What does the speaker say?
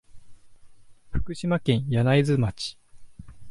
福島県柳津町